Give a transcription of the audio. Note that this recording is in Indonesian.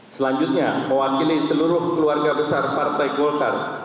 selanjutnya mewakili seluruh keluarga besar partai golkar